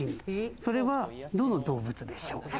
それは、どの動物でしょう？